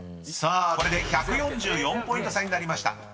［さあこれで１４４ポイント差になりました］